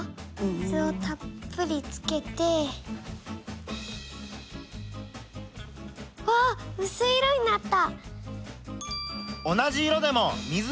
水をたっぷりつけて。わうすい色になった！